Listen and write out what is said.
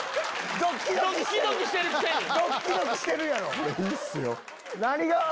ドッキドキしてるやろ？